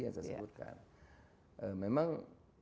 saya sebutkan memang